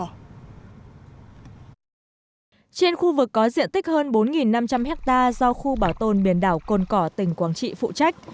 trên khu vực có diện tích hơn bốn năm trăm linh hectare do khu bảo tồn biển đảo côn cỏ tỉnh quảng trị phụ trách